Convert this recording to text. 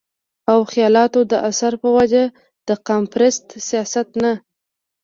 او خياالتو د اثر پۀ وجه د قامپرست سياست نه